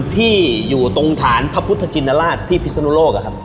ที่อยู่ตรงฐานพระพุทธจิณราชที่พิศนโลกอะครับ